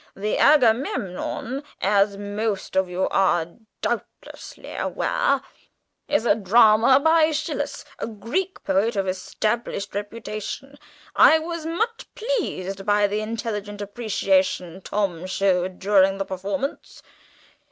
The 'Agamemnon,' as most of you are doubtless aware, is a drama by Æschylus, a Greek poet of established reputation. I was much pleased by the intelligent appreciation Tom showed during the performance.